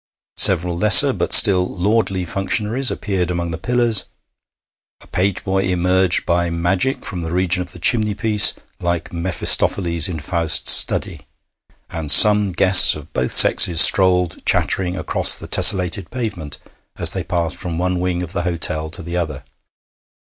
Several lesser but still lordly functionaries appeared among the pillars; a page boy emerged by magic from the region of the chimney piece like Mephistopheles in Faust's study; and some guests of both sexes strolled chattering across the tessellated pavement as they passed from one wing of the hotel to the other.